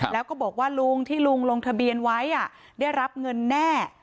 แล้วก็บอกว่าลุงที่ลุงลงทะเบียนไว้ได้รับเงินแน่